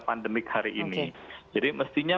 pandemik hari ini jadi mestinya